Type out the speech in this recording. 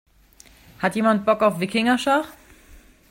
Hat jemand Bock auf Wikingerschach?